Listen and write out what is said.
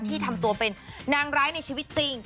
ทำตัวเป็นนางร้ายในชีวิตจริง